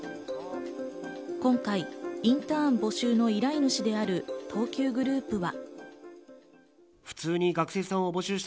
今回、インターン募集の依頼主である東急グループは。